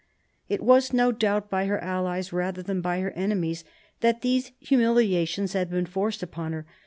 It was no doubt by her allies rather than by her enemies that these humiliations had been forced upon her.